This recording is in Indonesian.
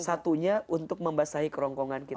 satunya untuk membasahi kerongkongan kita